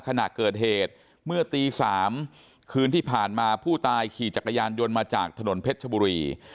ขณะเกิดเหตุเมื่อตี๓คืนที่ผ่านมาผู้ตายขี่จักรยานยนต์มาจากถนนเพชรชบุรี